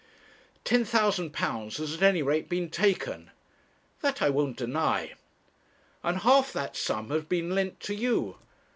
'Ten thousand pounds has at any rate been taken.' 'That I won't deny.' 'And half that sum has been lent to you.'